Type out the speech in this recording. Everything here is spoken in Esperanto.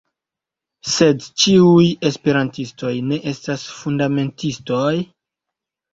Sed ĉiuj Esperantistoj ne estas fundamentistoj?